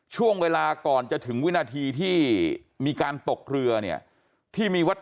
ช่วงเวลาก่อนจะถึงวินาทีที่มีการตกเรือเนี่ยที่มีวัด